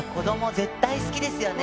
絶対好きですよね